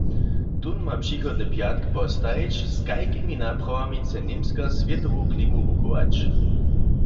Tón ma přichodny pjatk postajić, z kajkimi naprawami chce Němska swětowu klimu wuchować.